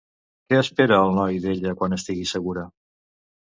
Què espera el noi d'ella quan estigui segura?